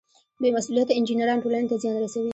بې مسؤلیته انجینران ټولنې ته زیان رسوي.